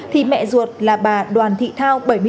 thì mẹ ruột là bà đoàn thị thao